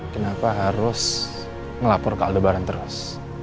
kenapa harus ngelapor ke aldebaran terus